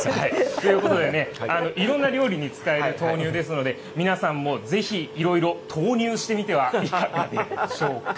ということでね、いろんな料理に使える豆乳ですので、皆さんもぜひいろいろ、とうにゅうしてみてはいかがでしょうか。